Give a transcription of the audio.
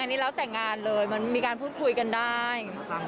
อันนี้แล้วแต่งานเลยมันมีการพูดคุยกันได้